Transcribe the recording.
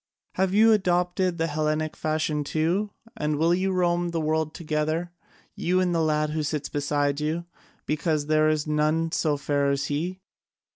Have you adopted the Hellenic fashion too? And will you roam the world together, you and the lad who sits beside you, because there is none so fair as he?"